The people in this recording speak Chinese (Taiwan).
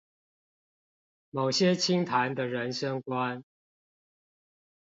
某些清談的人生觀